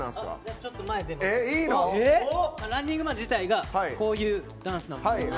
ランニングマン自体がこういうダンスなんです。